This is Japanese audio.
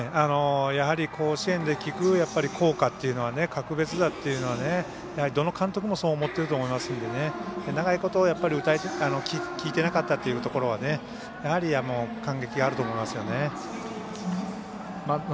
やはり甲子園で聴く校歌は格別だというのはどの監督もそう思ってると思いますので長いこと聴いてなかったというところで感激あると思いますよね。